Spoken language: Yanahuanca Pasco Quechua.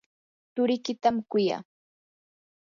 turikitam kuyaa.